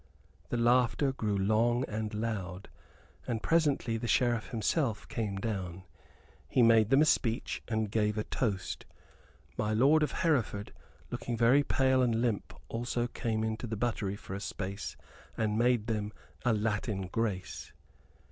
The laughter grew long and loud, and presently the Sheriff himself came down. He made them a speech and gave a toast. My lord of Hereford, looking very pale and limp, also came into the buttery for a space and made them a Latin grace.